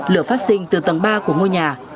lửa phát sinh từ tầng ba của ngôi nhà